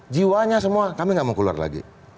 jiwanya semua kami nggak mau keluar lagi